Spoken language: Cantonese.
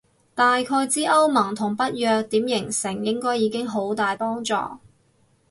大概知歐盟同北約點形成應該已經好大幫助